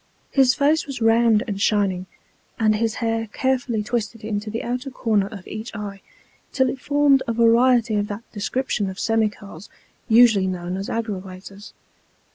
His face was round and shining, and his hair carefully twisted into the outer corner of each eye, till it formed a variety of that description of semi curls, usually known as " aggera wators."